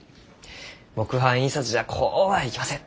木版印刷じゃこうはいきません。